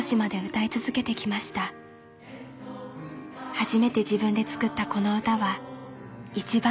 初めて自分で作ったこの歌は一番の自慢です。